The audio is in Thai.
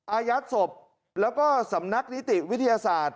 อายัดศพแล้วก็สำนักนิติวิทยาศาสตร์